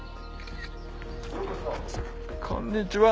こんにちは。